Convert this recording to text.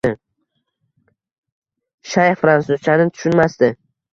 Shayx fransuzchani tushunmasdi